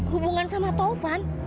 hubungan sama taufan